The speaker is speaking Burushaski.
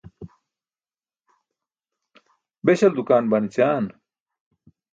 beśal dukaan ban ećaan?